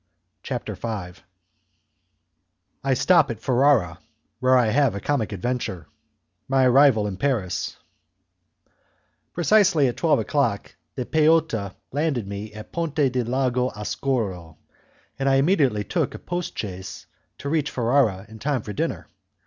CHAPTER V I Stop at Ferrara, Where I Have a Comic Adventure My Arrival in Paris Precisely at twelve o'clock the peotta landed me at Ponte di Lago Oscuro, and I immediately took a post chaise to reach Ferrara in time for dinner.